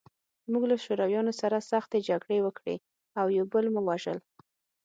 موږ له شورویانو سره سختې جګړې وکړې او یو بل مو وژل